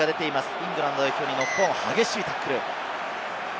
イングランド代表にノックオン、激しいタックル。